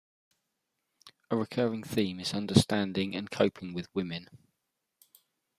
A recurring theme is understanding and coping with women.